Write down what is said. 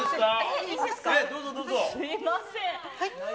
すみません。